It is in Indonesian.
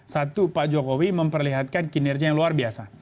satu pak jokowi memperlihatkan kinerja yang luar biasa